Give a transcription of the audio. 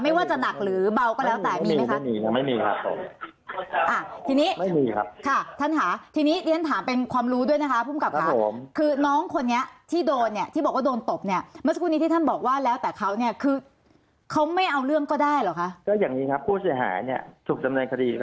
ไม่ว่าจะหนักหรือเบาก็แล้วแต่มีไหมคะ